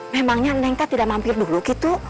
memangnya neng kan tidak mampir dulu gitu